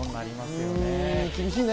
厳しいね。